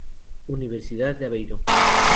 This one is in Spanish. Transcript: Universidad de Aveiro.